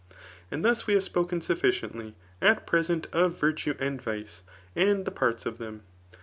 And thus we have spoken sufficiently at pre sent of virtue and vice, and the parts of them.